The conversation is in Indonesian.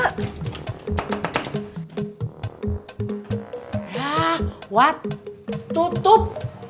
hah what tutup